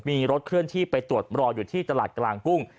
มีรถเคลื่อนที่ไปตรวจรออยู่ที่ตลาดกลางกุ้ง